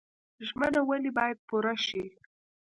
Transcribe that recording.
ژمنه ولې باید پوره شي؟